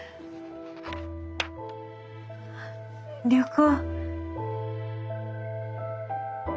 旅行。